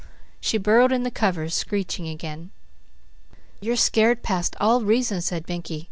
She burrowed in the covers, screeching again. "You're scared past all reason," said Mickey.